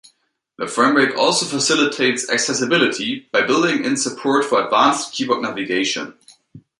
The framework also facilitates accessibility by building in support for advanced keyboard navigation.